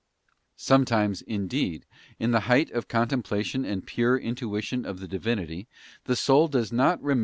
_ Sometimes, indeed, in the height of Contemplation and _ pure intuition of the Divinity, the soul does not remember P2